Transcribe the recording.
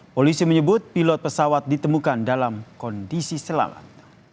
polisi menyebut pilot pesawat ditemukan dalam kondisi selamat